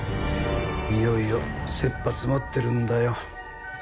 いよいよ切羽詰まってるんだよ